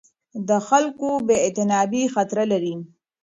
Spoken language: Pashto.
د خلکو بې اعتنايي خطر لري